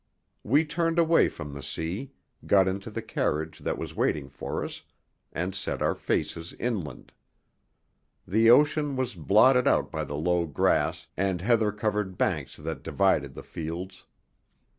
We turned away from the sea, got into the carriage that was waiting for us, and set our faces inland. The ocean was blotted out by the low grass and heather covered banks that divided the fields.